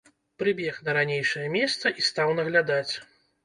Прыбег на ранейшае месца і стаў наглядаць.